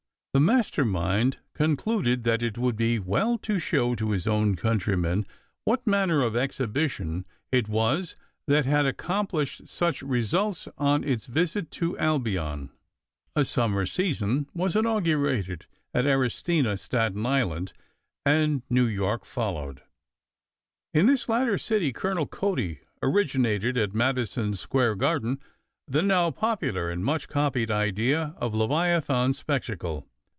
The master mind concluded that it would be well to show to his own countrymen what manner of exhibition it was that had accomplished such wonderful results on its visit to Albion. A summer season was inaugurated at Erastina, S. I., and New York followed. In this latter city Colonel Cody originated, at Madison Square Garden, the now popular and much copied idea of leviathan spectacle.